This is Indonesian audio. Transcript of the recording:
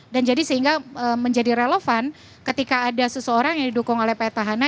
dan jadi sehingga menjadi relevan ketika ada seseorang yang didukung oleh petahana